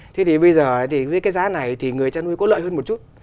thế thì bây giờ thì với cái giá này thì người chăn nuôi có lợi hơn một chút